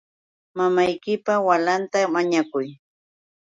Mamaykipa walinta mañakuy.